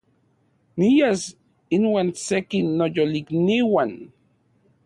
Nias inuan seki noyolikniuan